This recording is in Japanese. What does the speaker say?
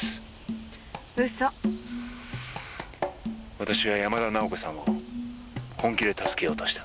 私は山田奈緒子さんを本気で助けようとした。